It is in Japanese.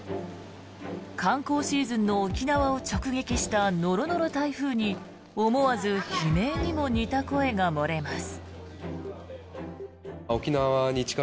観光シーズンの沖縄を直撃したノロノロ台風に思わず悲鳴にも似た声が漏れます。